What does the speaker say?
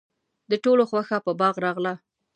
د ټولو خوښه په باغ راغله.